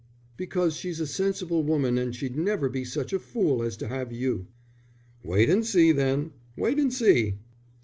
"Because she's a sensible woman and she'd never be such a fool as to have you." "Wait and see, then. Wait and see."